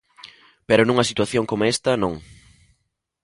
Pero nunha situación coma esta, non.